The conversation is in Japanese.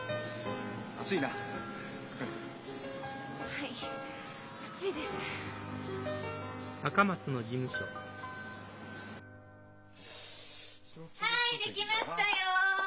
はい出来ましたよ！